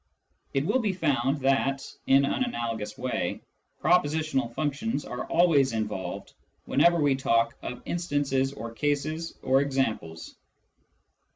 It will be found that, in an analogous way, propositional functions are always involved whenever we talk of instances or cases or examples.